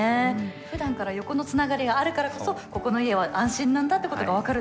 ふだんから横のつながりがあるからこそここの家は安心なんだってことが分かるってことですよね。